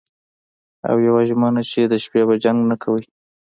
او یوه ژمنه چې د شپې به جنګ نه کوئ